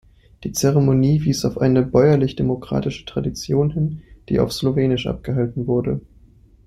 Die Zeremonie wies auf eine bäuerlich-demokratische Tradition hin, die auf Slowenisch abgehalten wurde.